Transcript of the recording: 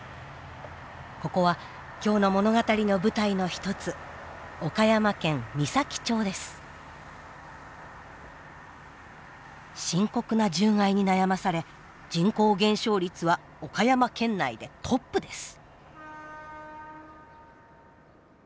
ここは今日の物語の舞台の一つ深刻な獣害に悩まされ人口減少率は岡山県内でトップです。